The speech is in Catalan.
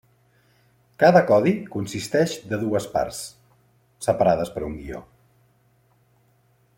Cada codi consisteix de dues parts, separades per un guió.